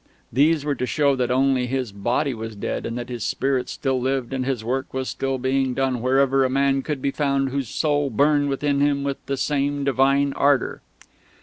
These were to show that only his body was dead, and that his spirit still lived and his work was still being done wherever a man could be found whose soul burned within him with the same divine ardour.